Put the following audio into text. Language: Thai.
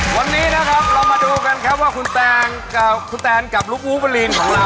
วันนี้นะครับเรามาดูกันครับว่าคุณแตนกับลูกอูเวอรีนของเรานี่นะครับ